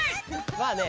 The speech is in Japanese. まあね。